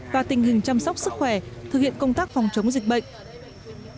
và tình hình chăm sóc sức khỏe thực hiện công tác phòng chống dịch bệnh